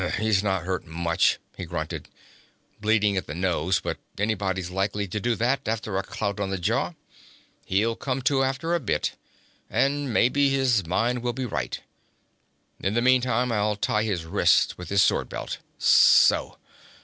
'He's not hurt much,' he grunted. 'Bleeding at the nose, but anybody's likely to do that, after a clout on the jaw. He'll come to after a bit, and maybe his mind will be right. In the meantime I'll tie his wrists with his sword belt so.